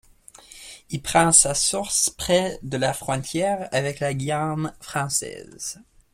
Il prend sa source près de la frontière avec la Guyane française.